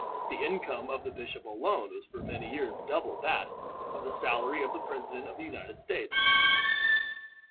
The income of the bishop alone was for many years double that of the salary of the President of the United States.